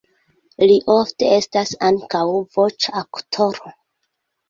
Li ofte estas ankaŭ voĉoaktoro.